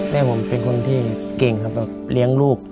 แม่ผมเป็นคนที่เก่งครับแบบเลี้ยงลูก